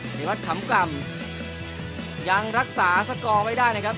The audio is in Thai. ครับธรรมกรรมยังรักษาสกอร์ไว้ได้นะครับ